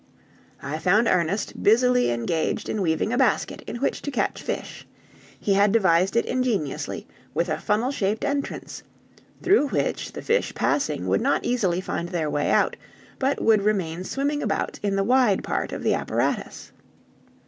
I found Ernest busily engaged in weaving a basket in which to catch fish; he had devised it ingeniously, with a funnel shaped entrance; through which the fish passing would not easily find their way out, but would remain swimming about in the wide part of the apparatus.